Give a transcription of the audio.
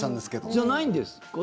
じゃないんですか？